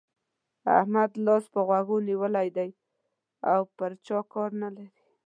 احمد لاس پر غوږو نيولی دی او پر چا کار نه لري.